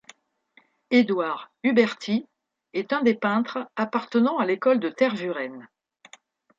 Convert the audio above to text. Édouard Huberti est un des peintres appartenant à l'École de Tervueren.